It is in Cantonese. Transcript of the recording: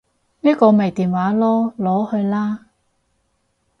呢個咪電話囉，攞去啦